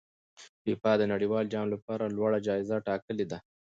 فیفا د نړیوال جام لپاره لوړه جایزه ټاکلې ده.